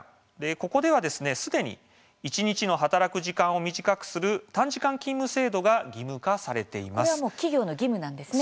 ここではすでに一日の働く時間を短くする短時間勤務制度が企業の義務なんですね。